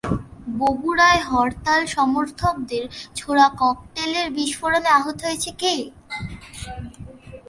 বগুড়ায় হরতালসমর্থকদের ছোড়া ককটেলের বিস্ফোরণে আহত হয়েছে কে?